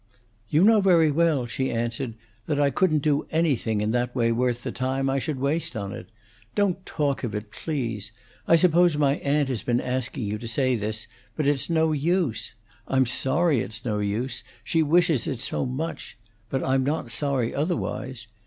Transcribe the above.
"You know very well," she answered, "that I couldn't do anything in that way worth the time I should waste on it. Don't talk of it, please. I suppose my aunt has been asking you to say this, but it's no use. I'm sorry it's no use, she wishes it so much; but I'm not sorry otherwise.